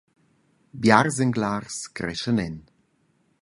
Biars englars creschan en.